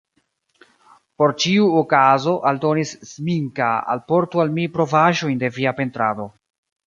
Por ĉiu okazo, aldonis Zminska, alportu al mi provaĵojn de via pentrado.